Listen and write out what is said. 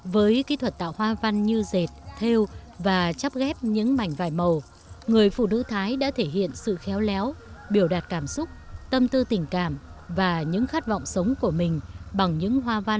với kỹ thuật tạo hoa văn như dệt theo và chấp ghép những mảnh vải màu người phụ nữ thái đã thể hiện sự khéo léo biểu đạt cảm xúc tâm tư tình cảm và những khát vọng sống của mình bằng những hoa văn